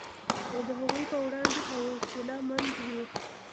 او د هغوی په وړاندې حوصله مند وي